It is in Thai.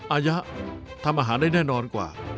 อายะทำอาหารได้แน่นอนกว่า